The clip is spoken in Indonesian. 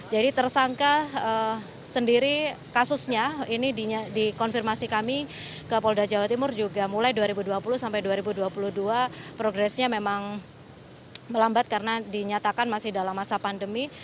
jadi tersangka sendiri kasusnya ini dikonfirmasi kami ke polda jawa timur juga mulai dua ribu dua puluh sampai dua ribu dua puluh dua progresnya memang melambat karena dinyatakan masih dalam masa pandemi